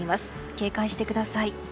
警戒してください。